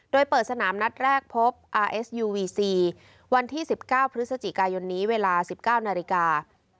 โดยเปิดสนามนัดแรกพบอาร์เอสยูวีซีวันที่๑๙พฤศจิกายนนี้เวลา๑๙นาฬิกา